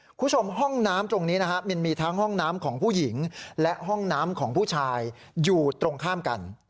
คุณผู้ชมห้องน้ำตรงนี้นะฮะมันมีทั้งห้องน้ำของผู้หญิงและห้องน้ำของผู้ชายอยู่ตรงข้ามกัน